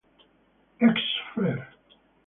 Ex Fr.